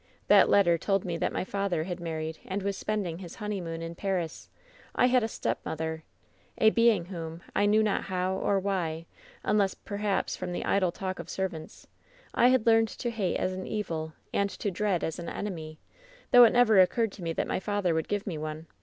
"That letter told me that my father had married and was spending his honeymoon in Paris. I had a step mother ! A being whom, I knew not how, or why, un less perhaps from the idle talk of servants, I had learned to hate as an evil and to dread as an enemy — though it never occurred to me that my father would give me one.